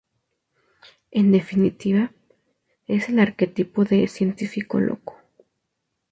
En definitiva, es el arquetipo de "científico loco".